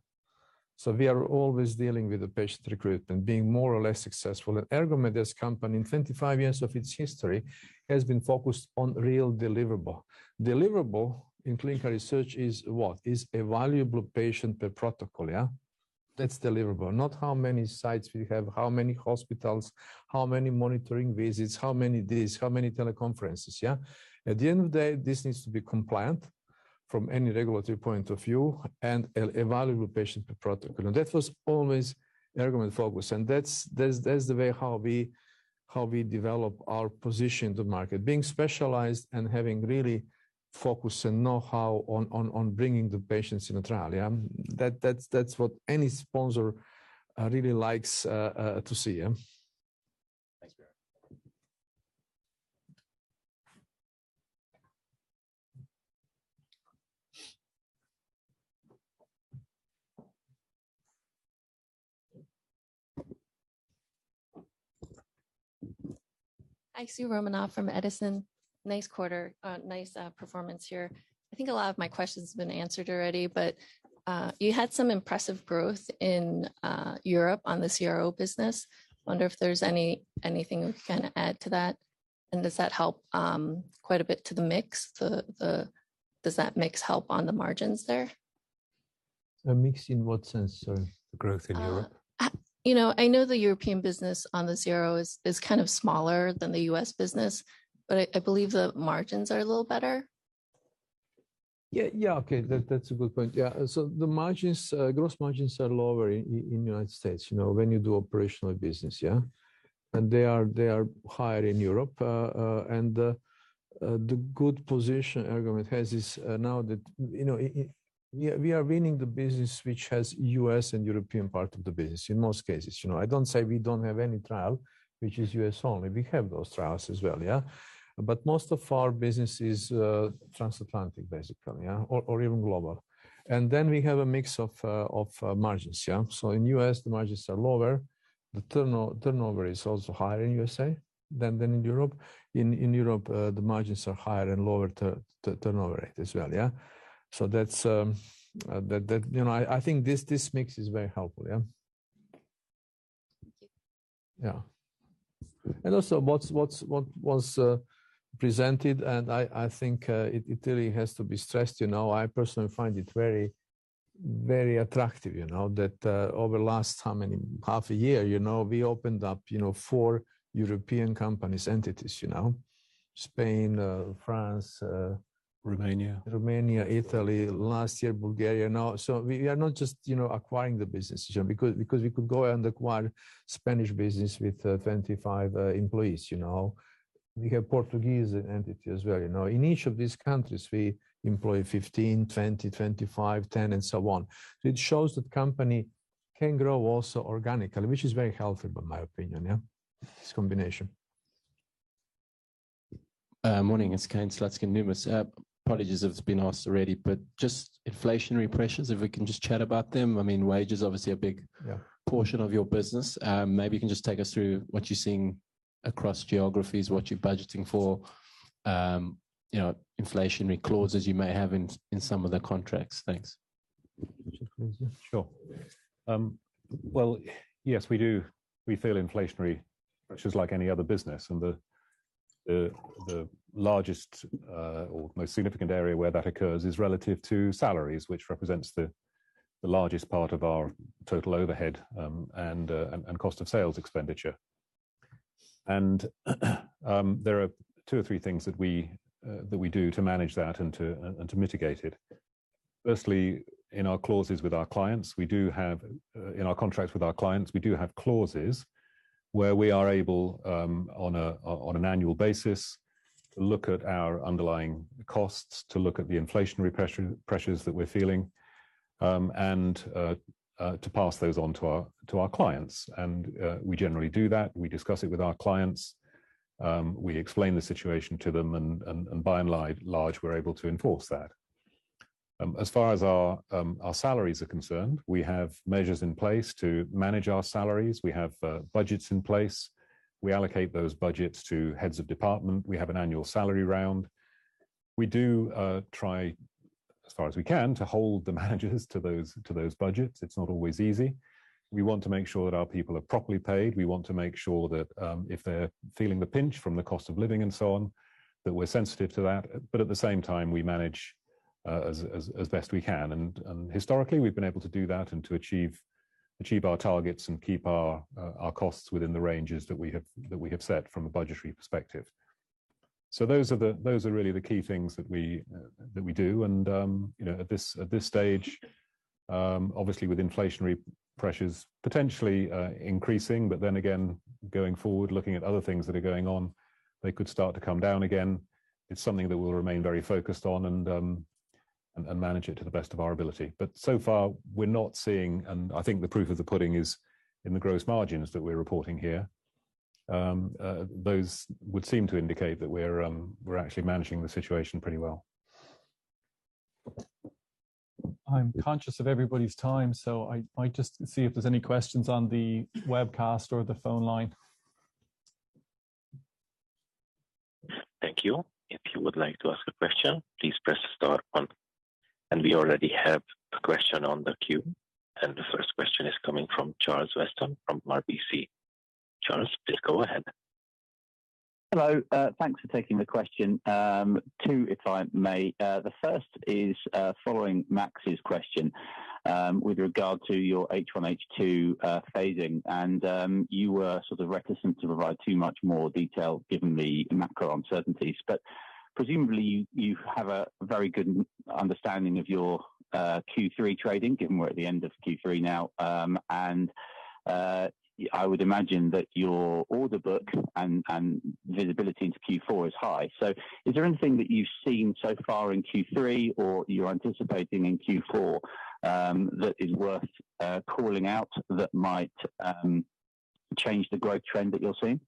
We are always dealing with the patient recruitment, being more or less successful. Ergomed company, in 25 years of its history, has been focused on real deliverable. Deliverable in clinical research is what? Is a valuable patient per protocol. That's deliverable. Not how many sites we have, how many hospitals, how many monitoring visits, how many this, how many teleconferences. At the end of the day, this needs to be compliant from any regulatory point of view and a valuable patient per protocol. That was always Ergomed focus. That's the way how we develop our position in the market. Being specialized and having really focus and know-how on bringing the patients in a trial. That's what any sponsor really likes to see. Thanks very much. Hi. Soo Romanoff from Edison. Nice quarter. Nice performance here. I think a lot of my questions have been answered already, but you had some impressive growth in Europe on the CRO business. I wonder if there's anything you can add to that. Does that help quite a bit to the mix? Does that mix help on the margins there? A mix in what sense, sorry, the growth in Europe? You know, I know the European business in the CRO is kind of smaller than the U.S. business, but I believe the margins are a little better. Yeah. Okay. That's a good point. Yeah. The margins, gross margins are lower in United States, you know, when you do operational business, yeah. They are higher in Europe. The good position Ergomed has is now that, you know, we are winning the business which has U.S. and European part of the business in most cases. You know, I don't say we don't have any trial, which is US only. We have those trials as well. Yeah. Most of our business is transatlantic basically, yeah, or even global. We have a mix of margins. Yeah. In U.S., the margins are lower. The turnover is also higher in U.S.A. than in Europe. In Europe, the margins are higher and lower turnover rate as well. Yeah. That's that. You know, I think this mix is very helpful. Yeah. Thank you. Yeah. Also what was presented, I think it really has to be stressed, you know. I personally find it very, very attractive, you know, that over the last half a year, you know, we opened up, you know, four European company entities, you know. Spain, France, Romania. Romania, Italy, last year, Bulgaria. We are not just, you know, acquiring the business, you know, because we could go and acquire Spanish business with 25 employees, you know. We have Portuguese entity as well, you know. In each of these countries, we employ 15, 20, 25, 10, and so on. It shows that the company can grow also organically, which is very healthy, in my opinion. This combination. Morning. It's Kane Slutzkin from Numis. Part of this have been asked already, but just inflationary pressures, if we can just chat about them. I mean, wage is obviously a big- Yeah. Portion of your business. Maybe you can just take us through what you're seeing across geographies, what you're budgeting for, you know, inflationary clauses you may have in some of the contracts? Thanks. Sure. Sure. Well, yes, we do. We feel inflationary pressures like any other business. The largest or most significant area where that occurs is relative to salaries, which represents the largest part of our total overhead, and cost of sales expenditure. There are two or three things that we do to manage that and to mitigate it. Firstly, in our contracts with our clients, we do have clauses where we are able, on an annual basis, to look at our underlying costs, to look at the inflationary pressures that we're feeling, and to pass those on to our clients. We generally do that. We discuss it with our clients. We explain the situation to them, and by and large, we're able to enforce that. As far as our salaries are concerned, we have measures in place to manage our salaries. We have budgets in place. We allocate those budgets to heads of department. We have an annual salary round. We do try as far as we can to hold the managers to those budgets. It's not always easy. We want to make sure that our people are properly paid. We want to make sure that if they're feeling the pinch from the cost of living and so on, that we're sensitive to that. At the same time, we manage as best we can. Historically, we've been able to do that and to achieve our targets and keep our costs within the ranges that we have set from a budgetary perspective. Those are really the key things that we do. You know, at this stage, obviously with inflationary pressures potentially increasing, but then again, going forward, looking at other things that are going on, they could start to come down again. It's something that we'll remain very focused on and manage it to the best of our ability. So far, we're not seeing, and I think the proof of the pudding is in the gross margins that we're reporting here. Those would seem to indicate that we're actually managing the situation pretty well. I'm conscious of everybody's time, so I might just see if there's any questions on the webcast or the phone line. Thank you. If you would like to ask a question, please press star one. We already have a question on the queue, and the first question is coming from Charles Weston from RBC. Charles, please go ahead. Hello. Thanks for taking the question. Two, if I may. The first is, following Max's question, with regard to your H1, H2 phasing. You were sort of reticent to provide too much more detail given the macro uncertainties. Presumably, you have a very good understanding of your Q3 trading, given we're at the end of Q3 now. I would imagine that your order book and visibility into Q4 is high. Is there anything that you've seen so far in Q3 or you're anticipating in Q4 that is worth calling out that might change the growth trend that you're seeing?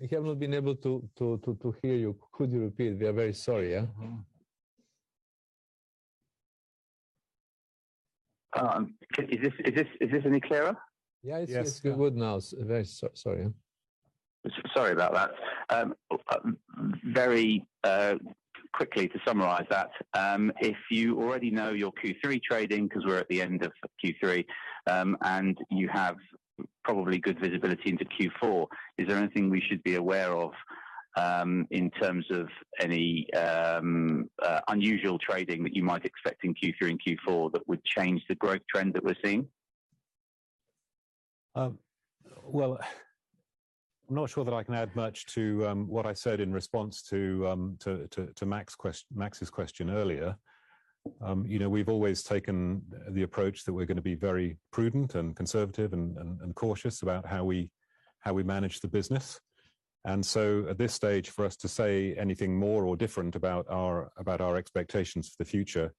We have not been able to hear you. Could you repeat? We are very sorry. Yeah. Is this any clearer? Yeah. Yes. It's good now. Sorry. Sorry about that. Very quickly to summarize that, if you already know your Q3 trading because we're at the end of Q3, and you have probably good visibility into Q4, is there anything we should be aware of in terms of any unusual trading that you might expect in Q3 and Q4 that would change the growth trend that we're seeing? Well, I'm not sure that I can add much to what I said in response to Max's question earlier. You know, we've always taken the approach that we're gonna be very prudent and conservative and cautious about how we manage the business. At this stage, for us to say anything more or different about our expectations for the future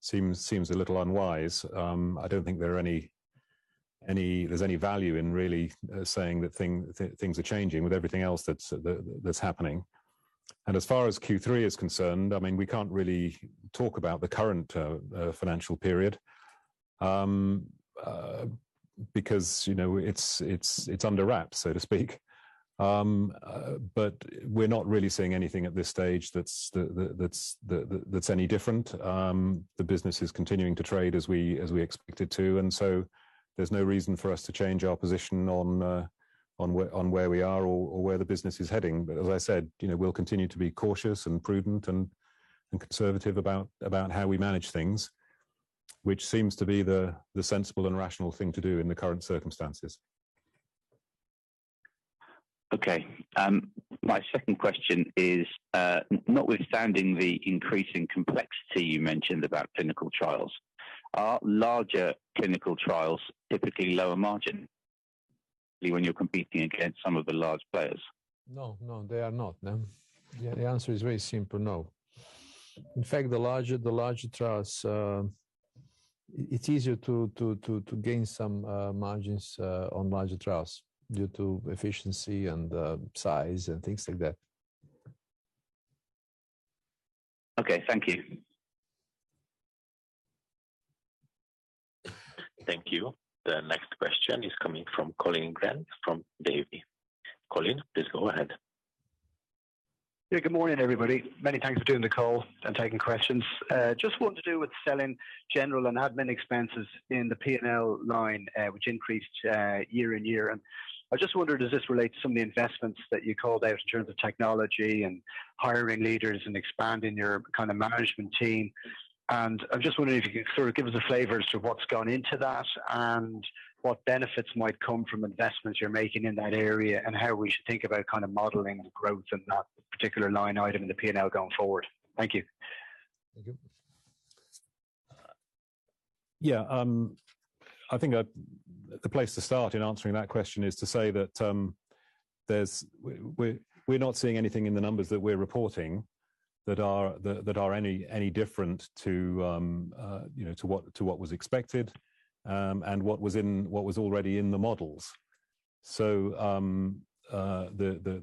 seems a little unwise. I don't think there's any value in really saying that things are changing with everything else that's happening. As far as Q3 is concerned, I mean, we can't really talk about the current financial period because, you know, it's under wraps, so to speak. We're not really seeing anything at this stage that's any different. The business is continuing to trade as we expect it to. There's no reason for us to change our position on where we are or where the business is heading. As I said, you know, we'll continue to be cautious and prudent and conservative about how we manage things, which seems to be the sensible and rational thing to do in the current circumstances. Okay. My second question is, notwithstanding the increasing complexity you mentioned about clinical trials, are larger clinical trials typically lower margin when you're competing against some of the large players? No, no, they are not. No. The answer is very simple, no. In fact, the larger trials, it's easier to gain some margins on larger trials due to efficiency and size and things like that. Okay, thank you. Thank you. The next question is coming from Colin Grant from Davy. Colin, please go ahead. Yeah, good morning, everybody. Many thanks for doing the call and taking questions. I just want to deal with selling general and admin expenses in the P&L line, which increased year-on-year. I just wondered, does this relate to some of the investments that you called out in terms of technology and hiring leaders and expanding your kind of management team? I'm just wondering if you could sort of give us a flavor as to what's gone into that and what benefits might come from investments you're making in that area, and how we should think about kind of modeling the growth in that particular line item in the P&L going forward. Thank you. Thank you. Yeah. I think the place to start in answering that question is to say that we're not seeing anything in the numbers that we're reporting that are any different to, you know, what was expected and what was already in the models. The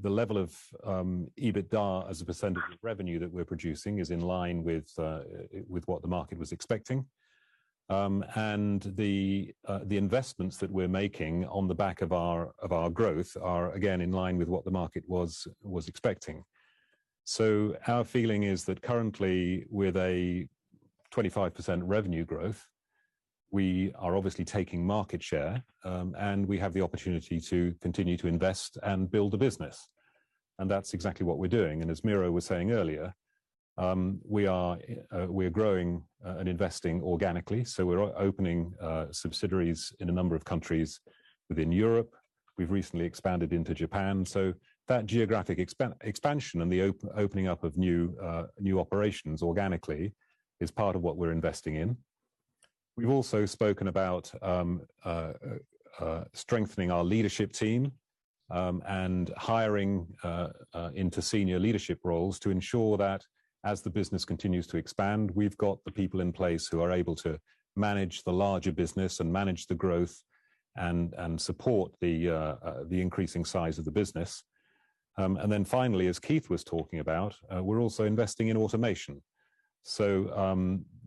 level of EBITDA as a percentage of revenue that we're producing is in line with what the market was expecting. The investments that we're making on the back of our growth are again in line with what the market was expecting. Our feeling is that currently with a 25% revenue growth, we are obviously taking market share, and we have the opportunity to continue to invest and build a business. That's exactly what we're doing. As Miro was saying earlier, we are growing and investing organically, so we're opening subsidiaries in a number of countries within Europe. We've recently expanded into Japan. That geographic expansion and the opening up of new operations organically is part of what we're investing in. We've also spoken about strengthening our leadership team and hiring into senior leadership roles to ensure that as the business continues to expand, we've got the people in place who are able to manage the larger business and manage the growth and support the increasing size of the business. Finally, as Keith was talking about, we're also investing in automation.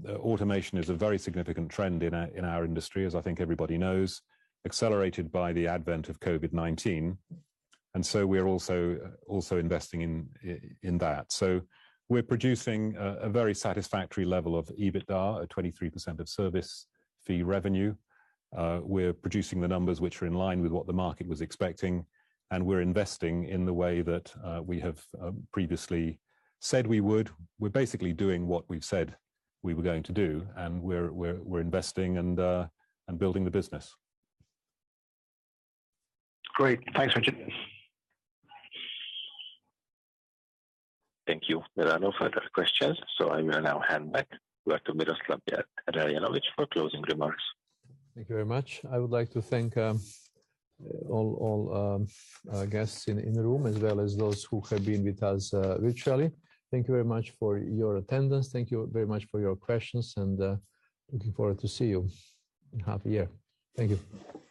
Automation is a very significant trend in our industry, as I think everybody knows, accelerated by the advent of COVID-19. We're also investing in that. We're producing a very satisfactory level of EBITDA at 23% of service fee revenue. We're producing the numbers which are in line with what the market was expecting, and we're investing in the way that we have previously said we would. We're basically doing what we've said we were going to do, and we're investing and building the business. Great. Thanks, Richard. Thank you. There are no further questions, so I will now hand back to Miroslav Reljanović for closing remarks. Thank you very much. I would like to thank all guests in the room, as well as those who have been with us virtually. Thank you very much for your attendance. Thank you very much for your questions, and looking forward to see you in half a year. Thank you.